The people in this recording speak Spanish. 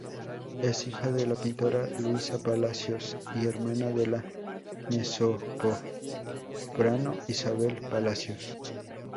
Es hija de la pintora Luisa Palacios y hermana de la mezzosoprano Isabel Palacios.